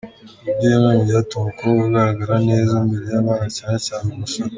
Ngibyo bimwe mu byatuma umukobwa agaragara neza mbere yabandi, cyane cyane abasore.